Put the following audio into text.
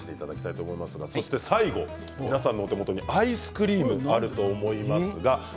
皆さんのお手元にアイスクリームがあると思います。